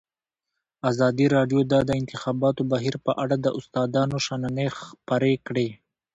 ازادي راډیو د د انتخاباتو بهیر په اړه د استادانو شننې خپرې کړي.